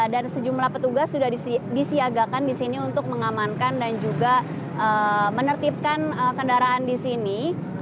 dan sejumlah petugas sudah disiagakan di sini untuk mengamankan dan juga menertibkan kendaraan di sini